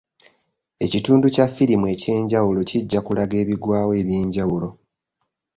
Ekitundu kya ffirimu eky'enjawulo kijja kulaga ebigwawo eby'enjawulo.